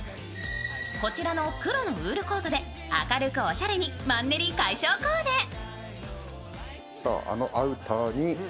こちらの黒のウールコートで明るくオシャレにマンネリ解消コーデ。